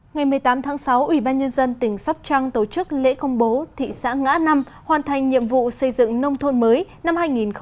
ngày một mươi tám tháng sáu ủy ban nhân dân tỉnh sóc trăng tổ chức lễ công bố thị xã ngã năm hoàn thành nhiệm vụ xây dựng nông thôn mới năm hai nghìn một mươi chín